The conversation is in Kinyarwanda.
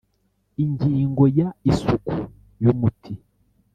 Ingingo ya Isuku y umuti